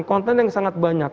konten yang sangat banyak